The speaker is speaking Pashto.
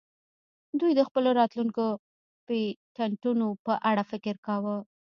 دوی د خپلو راتلونکو پیټینټونو په اړه فکر کاوه